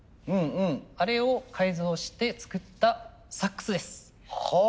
あれを改造して作ったサックスです。